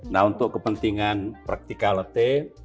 nah untuk kepentingan praktikalite